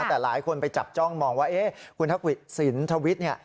แต่หลายคนไปจับจ้องมองว่าคุณทักษิณฑวิทย์เนี่ย